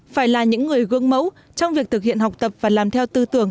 phải là những người gương mẫu trong việc thực hiện học tập và làm theo tư tưởng